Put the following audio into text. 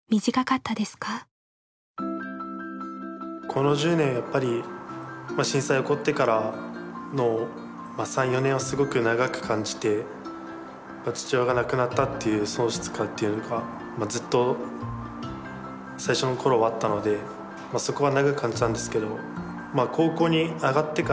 この１０年やっぱり震災起こってからの３４年はすごく長く感じて父親が亡くなったっていう喪失感っていうかずっと最初の頃はあったのでそこは長く感じたんですけど高校に上がってから大学